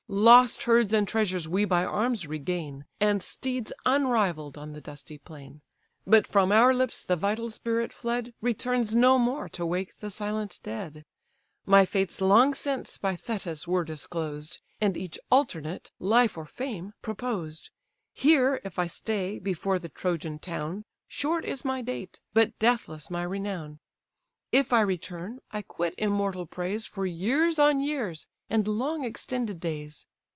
Lost herds and treasures we by arms regain, And steeds unrivall'd on the dusty plain: But from our lips the vital spirit fled, Returns no more to wake the silent dead. My fates long since by Thetis were disclosed, And each alternate, life or fame, proposed; Here, if I stay, before the Trojan town, Short is my date, but deathless my renown: If I return, I quit immortal praise For years on years, and long extended days.